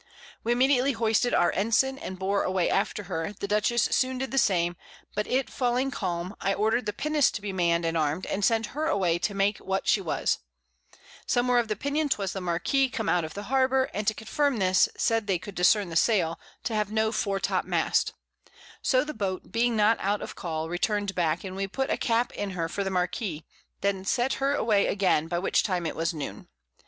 We immediately hoisted our Ensign, and bore away after her, the Dutchess soon did the same; but it falling calm, I order'd the Pinnace to be mann'd and arm'd, and sent her away to make what she was: Some were of opinion 'twas the Marquiss come out of the Harbour, and to confirm this, said they could discern the Sail to have no Foretop mast; so the Boat being not out of call, return'd back, and we put a Cap in her for the Marquiss, then sent her away again, by which time it was Noon.